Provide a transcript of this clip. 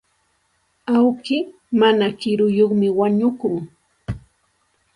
Awki mana kiruyuqmi wañukun.